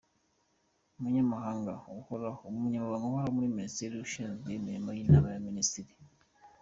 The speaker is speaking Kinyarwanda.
Umunyamabanga Uhoraho muri Minisiteri Ishinzwe Imirimo y’Inama y’Abaminisitiri.